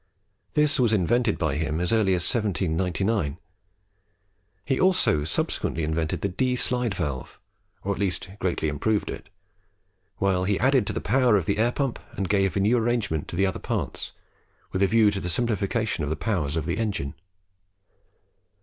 This was invented by him as early as 1799. He also subsequently invented the D slide valve, or at least greatly improved it, while he added to the power of the air pump, and gave a new arrangement to the other parts, with a view to the simplification of the powers of the engine.